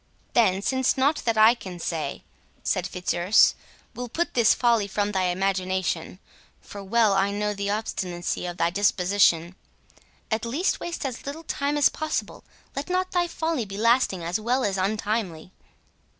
"Then since nought that I can say," said Fitzurse, "will put this folly from thy imagination, (for well I know the obstinacy of thy disposition,) at least waste as little time as possible—let not thy folly be lasting as well as untimely."